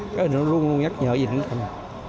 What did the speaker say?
cái hình đó luôn luôn nhắc nhở về chiến trường